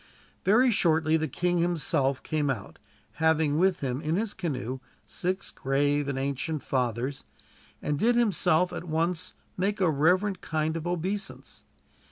Very shortly the king himself came out, having with him in his canoe six grave and ancient fathers, and did himself at once make a reverent kind of obeisance.